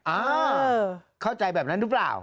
เออเข้าใจแบบนั้นหรือเปล่า